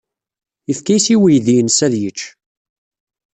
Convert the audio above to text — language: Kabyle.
Yefka-as i uydi-nnes ad yečč.